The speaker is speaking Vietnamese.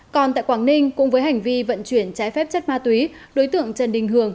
còn tại quảng ninh cùng với hành vi vận chuyển trái phép chất ma túy đối tượng trần đình hường